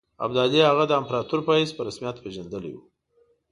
ابدالي هغه د امپراطور په حیث په رسمیت پېژندلی وو.